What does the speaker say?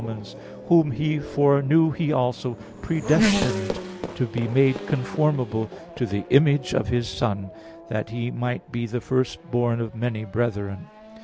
8:29: "Whom He foreknew He also predestinated to be made conformable to the image of His Son, that He might be the first born of many brethren."